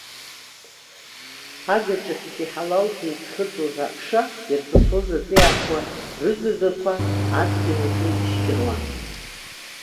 Агаҿахьтә иҳалалӡа иӡхыҵуаз аԥша, иарҵысуаз аҵиаақәа рыгагақәа адгьыл аҿы ишьқьыруан.